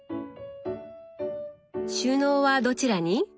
収納はどちらに？